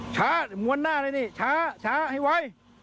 ช้ามวลหน้าเลยนี่ช้าช้าให้ไว